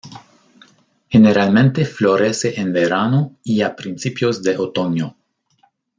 Generalmente florece en verano y a principios de otoño.